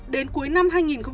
đến cuối năm hai nghìn một mươi